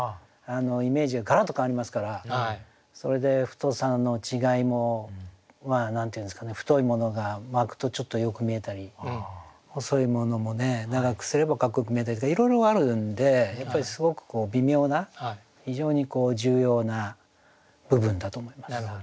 イメージがガラッと変わりますからそれで太さの違いも何て言うんですかね太いものが巻くとちょっとよく見えたり細いものもね長くすればかっこよく見えたりとかいろいろあるんでやっぱりすごく微妙な非常に重要な部分だと思います。